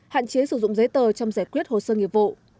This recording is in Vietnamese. hạn chế sử dụng giấy tờ trong giải quyết hồ sơ nghiệp vụ